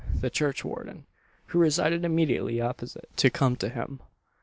the churchwarden, who resided immediately opposite, to come to him.